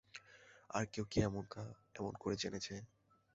আর কেউ কি এমন করে জেনেছে।